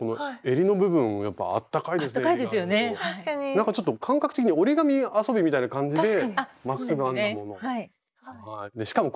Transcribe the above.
なんかちょっと感覚的に折り紙遊びみたいな感じでまっすぐ編んだものを。